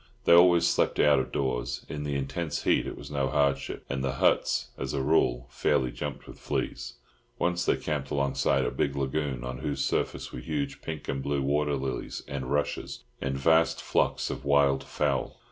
They always slept out of doors. In the intense heat it was no hardship, and the huts, as a rule, fairly jumped with fleas. Once they camped alongside a big lagoon, on whose surface were huge pink and blue water lilies and rushes, and vast flocks of wild fowl.